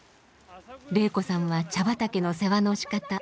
玲子さんは茶畑の世話のしかた